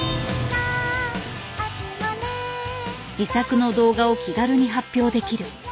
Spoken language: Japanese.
自作の動画を気軽に発表できる。